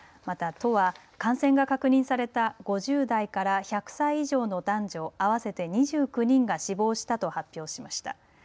また都は感染が確認された５０代から１００歳以上の男女合わせて２９人が死亡したと発表しました。